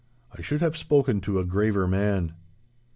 I should have spoken to a graver man.